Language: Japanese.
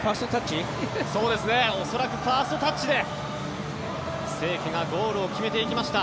恐らくファーストタッチで清家がゴールを決めていきました。